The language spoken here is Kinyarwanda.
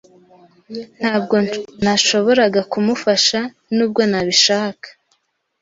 Ntabwo nashoboraga kumufasha , nubwo nabishaka.